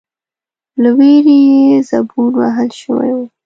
، له وېرې يې زبون وهل شوی و،